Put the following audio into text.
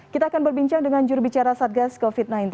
kita akan berbincang dengan jurubicara satgas covid sembilan belas